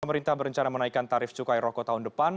pemerintah berencana menaikkan tarif cukai rokok tahun depan